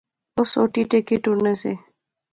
اوہ سوٹی ٹیکی ٹُرنے سے